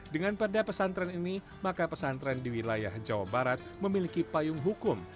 dengan perda pesantren ini maka pesantren di wilayah jawa barat memiliki payung hukum